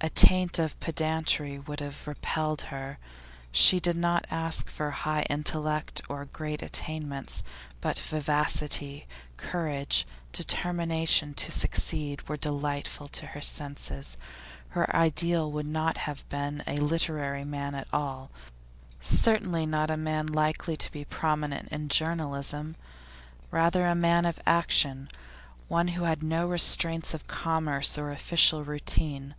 A taint of pedantry would have repelled her. She did not ask for high intellect or great attainments; but vivacity, courage, determination to succeed, were delightful to her senses. Her ideal would not have been a literary man at all; certainly not a man likely to be prominent in journalism; rather a man of action, one who had no restraints of commerce or official routine.